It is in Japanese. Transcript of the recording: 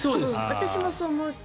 私もそう思った。